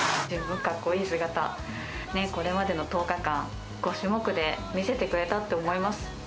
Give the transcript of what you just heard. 十分かっこいい姿、ねっ、これまでの１０日間、５種目で見せてくれたと思います。